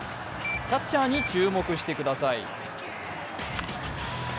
キャッチャーに注目してください。